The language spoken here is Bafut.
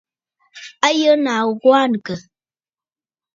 A yə nàa ghu aa nɨ àkə̀?